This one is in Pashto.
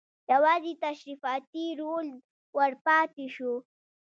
یوازې تشریفاتي رول ور پاتې شو.